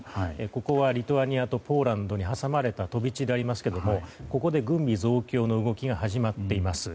ここはリトアニアとポーランドに挟まれた飛び地でありますがここで軍備増強の動きが始まっています。